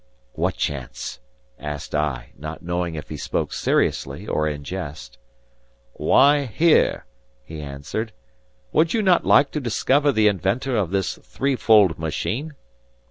"What chance?" asked I, not knowing if he spoke seriously, or in jest. "Why, here," he answered. "Would not you like to discover the inventor of this three fold machine?"